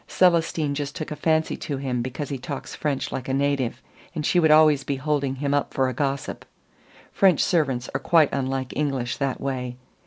Célestine just took a fancy to him because he talks French like a native, and she would always be holding him up for a gossip. French servants are quite unlike English that way.